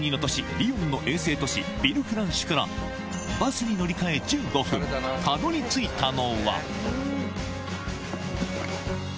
リヨンの衛星都市、ヴィルフランシュから、バスに乗り換え１５分、たどりついたのは。